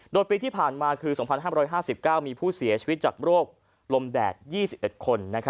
โดยปีที่ผ่านมาคือ๒๕๕๙มีผู้เสียชีวิตจากโรคลมแดด๒๑คน